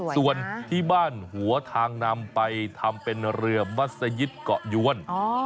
ส่วนที่บ้านหัวทางนำไปทำเป็นเรือมัศยิตเกาะยวน